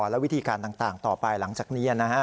และวิธีการต่างต่อไปหลังจากนี้